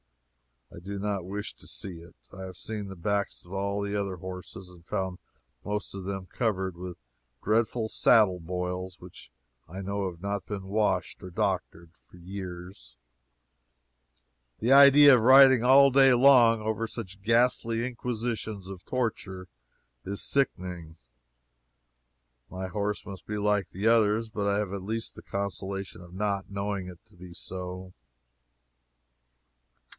I do not wish to see it. I have seen the backs of all the other horses, and found most of them covered with dreadful saddle boils which I know have not been washed or doctored for years. The idea of riding all day long over such ghastly inquisitions of torture is sickening. My horse must be like the others, but I have at least the consolation of not knowing it to be so.